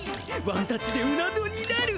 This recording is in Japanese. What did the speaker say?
ワンタッチでうなどんになる。